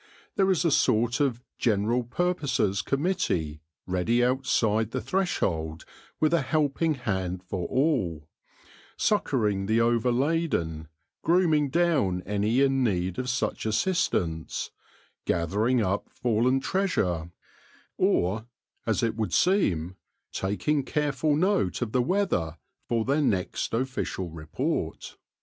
There is a sort of General Purposes Committee ready outside the threshold with a helping hand for all : succouring the overladen, grooming down any in need of such assistance, gathering up fallen treasure, or, as it 87 83 THE LORE OF THE HONEY BEE would seem, taking careful note of the weather for their next official report.